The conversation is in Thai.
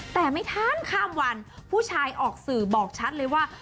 แต่ไม่ทันข้ามวันผู้ชายออกสื่อบอกชัดเลยว่า